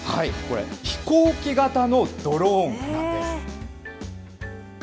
飛行機型のドローンなんです。